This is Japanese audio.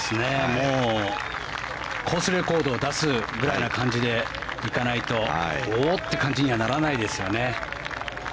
もうコースレコードを出すぐらいの感じで行かないとおおっ！という感じにはならないですよね。